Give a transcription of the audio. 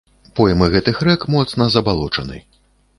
Поймы гэтых рэк моцна забалочаны.